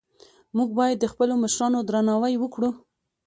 موږ باید د خپلو مشرانو درناوی وکړو